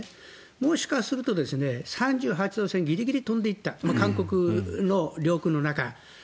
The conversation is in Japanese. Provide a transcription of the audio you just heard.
もしかすると３８度線ギリギリを飛んでいった韓国の領空の中。